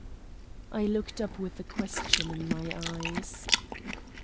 I looked up with a question in my eyes.